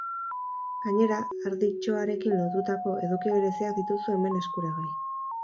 Gainera, arditxoarekin lotutako eduki bereziak dituzu hemen eskuragai.